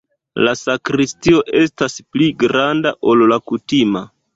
La sakristio estas pli granda, ol la kutima.